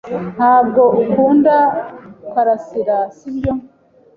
"Ntabwo ukunda karasira, sibyo?" "